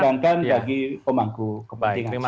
saya kira itu mas serhanov